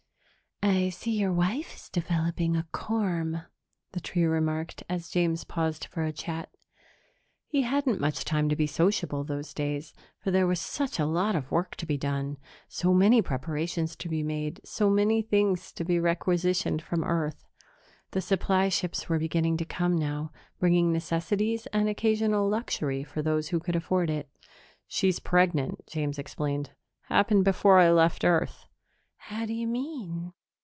"I see your wife is developing a corm," the tree remarked, as James paused for a chat. He hadn't much time to be sociable those days, for there was such a lot of work to be done, so many preparations to be made, so many things to be requisitioned from Earth. The supply ships were beginning to come now, bringing necessities and an occasional luxury for those who could afford it. "She's pregnant," James explained. "Happened before I left Earth." "How do you mean?"